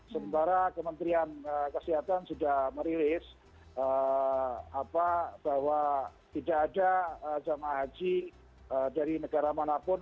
sementara kementerian kesehatan sudah merilis bahwa tidak ada jemaah haji dari negara manapun